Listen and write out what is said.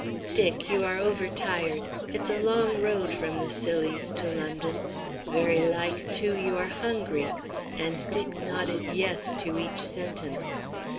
"Dick, you are over tired. It's a long road from the Scillies to London. Very like, too, you are hungry," and Dick nodded "yes" to each sentence.